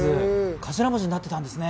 頭文字になってたんですね。